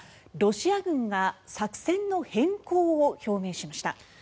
ロシア軍が作戦の変更を表明しました。